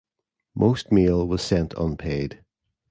Most mail was sent unpaid.